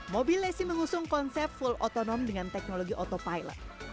mobil lacey mengusung konsep full autonom dengan teknologi auto pilot